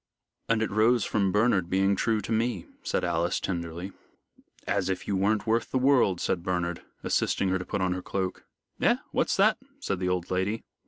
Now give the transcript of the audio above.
"And it rose from Bernard being true to me," said Alice, tenderly. "As if you weren't worth the world," said Bernard, assisting her to put on her cloak. "Eh, what's that?" said the old lady.